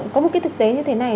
có một cái thực tế như thế này